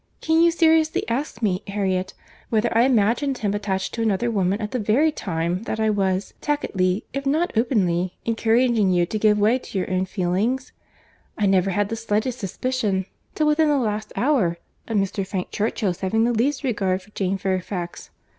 Can you seriously ask me, Harriet, whether I imagined him attached to another woman at the very time that I was—tacitly, if not openly—encouraging you to give way to your own feelings?—I never had the slightest suspicion, till within the last hour, of Mr. Frank Churchill's having the least regard for Jane Fairfax.